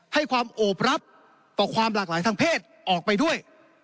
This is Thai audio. ให้ความโอบรับต่อความหลากหลายทางเพศออกไปด้วย